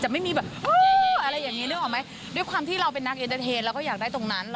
จะไม่มีแบบวู้อะไรอย่างเนี่ย